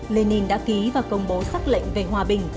lenin đã ký và công bố xác lệnh về hòa bình